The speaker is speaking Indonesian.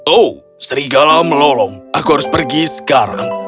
oh serigala melolong aku harus pergi sekarang